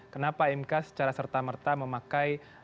kenapa mk secara serta merta memakai